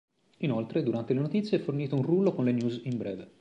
Inoltre durante le notizie è fornito un rullo con le news in breve.